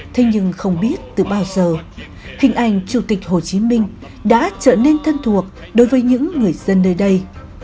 thế nhưng không biết từ bao giờ hình ảnh chủ tịch hồ chí minh đã trở nên thân thuộc đối với những người dân nơi đây